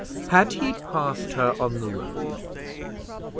Had he passed her on the road?